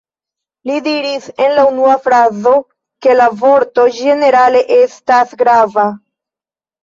Li diris en la unua frazo, ke la vorto ĝenerala estas grava.